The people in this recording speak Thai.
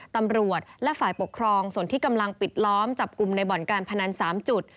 ตำรวจและฝ่ายปกครองส่วนที่กำลังปิดล้อมจับกลุ่มในบ่อนการพนัน๓จุด